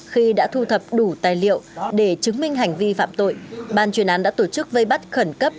khi đã thu thập đủ tài liệu để chứng minh hành vi phạm tội ban chuyên án đã tổ chức vây bắt khẩn cấp